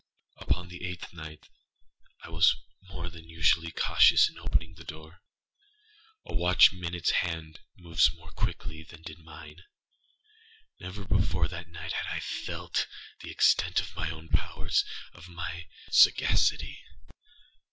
Upon the eighth night I was more than usually cautious in opening the door. A watchâs minute hand moves more quickly than did mine. Never before that night had I felt the extent of my own powersâof my sagacity.